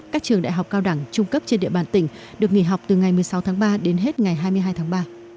các trường đại học cao đẳng trung cấp trên địa bàn tỉnh được nghỉ học từ ngày một mươi sáu tháng ba đến hết ngày hai mươi hai tháng ba